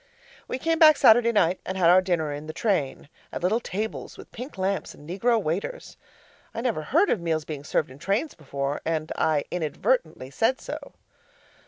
We came back Saturday night and had our dinner in the train, at little tables with pink lamps and negro waiters. I never heard of meals being served in trains before, and I inadvertently said so.